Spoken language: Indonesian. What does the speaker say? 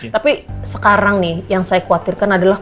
tapi sekarang nih yang saya khawatirkan adalah